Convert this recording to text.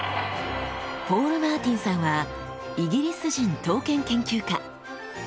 ポール・マーティンさんはイギリス人刀剣研究家。